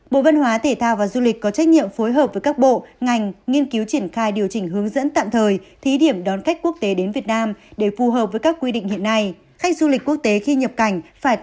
bộ văn hóa thể thao và du lịch có trách nhiệm phối hợp với các bộ ngành nghiên cứu triển khai điều chỉnh hướng dẫn tạm thời thí điểm đón khách quốc tế đến việt nam để phù hợp với các quy định hiện nay